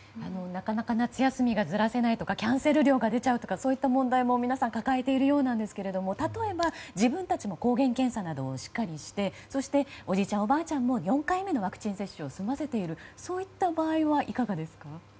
なかなか夏休みがずらせないとかキャンセル料が出ちゃうとかいう問題も皆さん抱えているようですが例えば自分たちの抗原検査などをしっかりしておじいちゃん、おばあちゃんが４回目のワクチン接種を済ませているそういった場合はいかがですか。